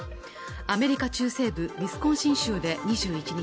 アメリカ中西部ウィスコンシン州で２１日